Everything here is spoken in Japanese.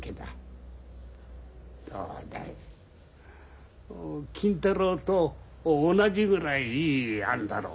どうだい金太郎と同じぐらいいい案だろう。